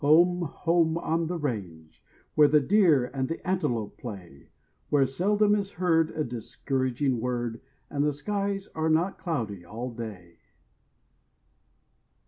Home, home on the range, Where the deer and the antelope play; Where seldom is heard a discouraging word And the skies are not cloudy all day.